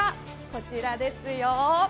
こちらですよ。